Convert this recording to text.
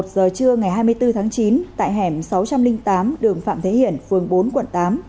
một mươi giờ trưa ngày hai mươi bốn tháng chín tại hẻm sáu trăm linh tám đường phạm thế hiển phường bốn quận tám